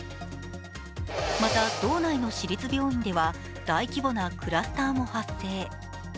また、道内の私立病院では大規模なクラスターも発生。